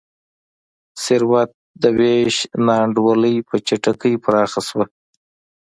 ثروت د وېش نا انډولي په چټکۍ پراخه شوه.